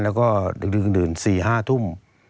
และเดือน๔๕ทุ่ม